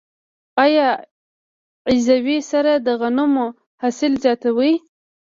آیا عضوي سره د غنمو حاصل زیاتوي؟